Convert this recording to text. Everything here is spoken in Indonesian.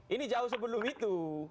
ini jauh sebelum itu